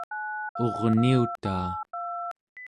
urniutaa